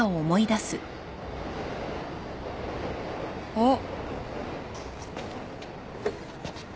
あっ。